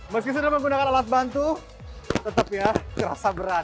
meski sudah menggunakan alat bantu tetap ya terasa berat